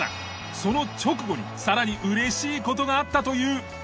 その直後にさらに嬉しい事があったという。